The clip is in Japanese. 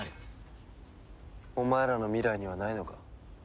お前らの未来にはないのか？